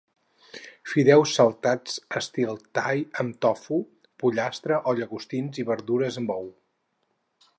Fideus saltats estil thai amb tofu, pollastre o llagostins i verdures amb ou.